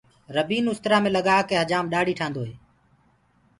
ربينٚ اُسترآ مينٚ لگآ ڪي هجآم ڏآڙهي ٺآندو هي۔